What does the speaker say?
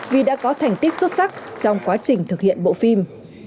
vì đã có thành tích xuất sắc trong quá trình thực hiện bộ phim